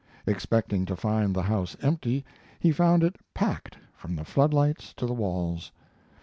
Expecting to find the house empty, he found it packed from the footlights to the walls.